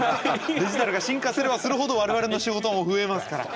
デジタルが進化すればするほど我々の仕事も増えますから。